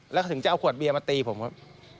แล้วถึงจะเอาขวดเบียร์มาตีผมครับ